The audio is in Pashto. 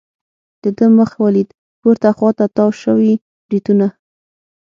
د ده مخ ولید، پورته خوا ته تاو شوي بریتونه.